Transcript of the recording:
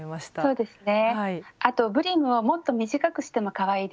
そうですね